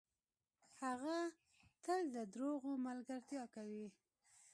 هغه تل ده دروغو ملګرتیا کوي .